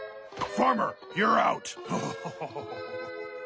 フハハハハ！